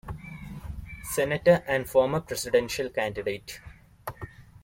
Senator and former presidential candidate.